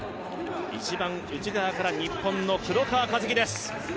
一番内側から日本の黒川和樹です。